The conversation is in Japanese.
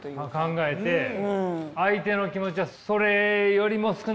考えて相手の気持ちはそれよりも少なかった。